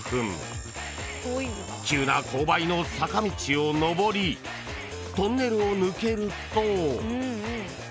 ［急な勾配の坂道を上りトンネルを抜けると］